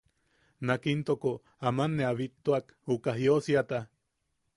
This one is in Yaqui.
Nak intoko aman ne a bittuak uka jiosiata.